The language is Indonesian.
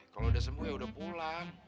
kalau udah sembuh ya udah pulang